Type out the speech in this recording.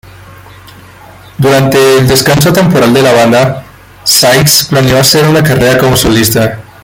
Durante el descanso temporal de la banda, Sykes planeó hacer una carrera como solista.